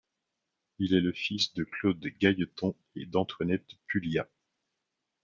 Il est le fils de Claude Gailleton et d'Antoinette Pulliat.